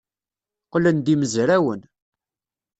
Qqlen-d yimezrawen.